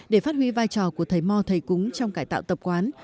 để phát huy vai trò của thầy mò thầy cúng trong cải tạo tập quán